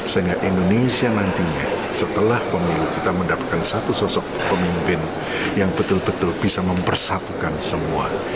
sehingga indonesia nantinya setelah pemilu kita mendapatkan satu sosok pemimpin yang betul betul bisa mempersatukan semua